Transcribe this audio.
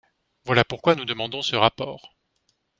Voilà pourquoi nous demandons ce rapport.